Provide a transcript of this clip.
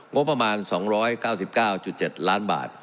งบประมาณ๒๙๙๗ล้านบาท